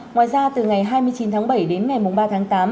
ngoài ra từ ngày hai mươi chín tháng bảy đến ngày ba tháng tám